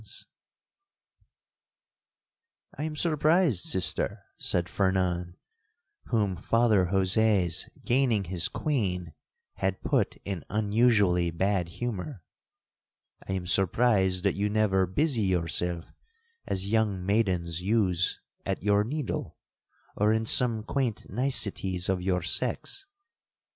1 Ireland. 'I am surprised, sister,' said Fernan, whom Father Jose's gaining his queen had put in unusually bad humour—'I am surprised that you never busy yourself, as young maidens use, at your needle, or in some quaint niceties of your sex.'